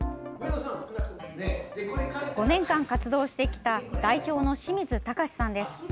５年間活動してきた代表の清水隆史さんです。